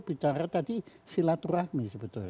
bicara tadi silaturahmi